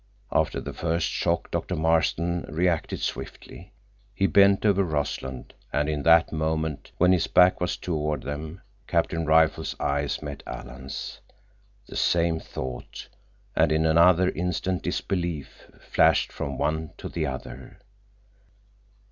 After the first shock Doctor Marston reacted swiftly. He bent over Rossland, and in that moment, when his back was toward them, Captain Rifle's eyes met Alan's. The same thought—and in another instant disbelief—flashed from one to the other.